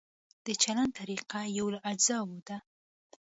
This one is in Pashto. د چلند طریقه یو له اجزاوو ده.